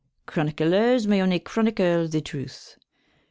Chronyclers may only chronycle the truth.